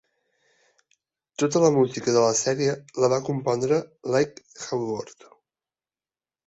Tota la música de la sèrie la va compondre Leigh Haggerwood.